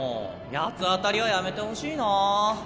八つ当たりはやめてほしいなぁ。